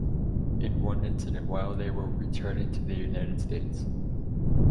In one incident while they were returning to the United States.